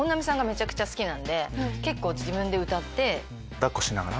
抱っこしながら？